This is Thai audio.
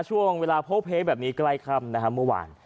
ช่วงเวลาพบเลขแบบนี้ใกล้ค่ำเมื่อวาน